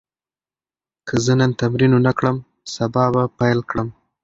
که زه نن تمرین ونه کړم، سبا به پیل کړم.